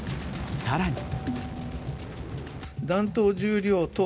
さらに。